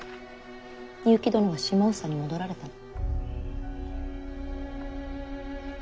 結城殿が下総に戻られたの。